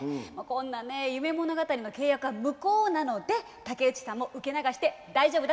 こんなね夢物語の契約は無効なので竹内さんも受け流して大丈夫だと思います。